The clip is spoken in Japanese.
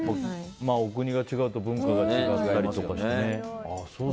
お国が違うと文化が違ったりとかしてね。